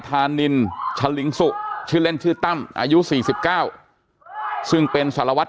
ธานินชะลิงสุชื่อเล่นชื่อตั้มอายุ๔๙ซึ่งเป็นสารวัตร